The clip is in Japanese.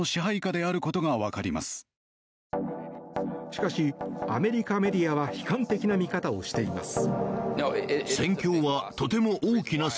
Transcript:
しかし、アメリカメディアは悲観的な見方をしています。